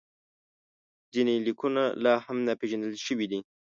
ځینې لیکونه لا هم ناپېژندل شوي دي.